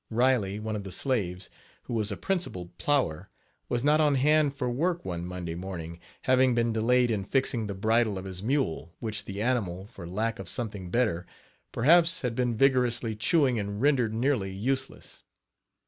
Riley, one of the slaves, who was a principal plower, was not on hand for work one Monday morning, having been delayed in fixing the bridle of his mule, which the animal, for lack of something better, perhaps, had been vigorously chewing and rendered nearly useless.